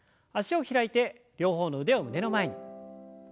脚を開いて両方の腕を胸の前に。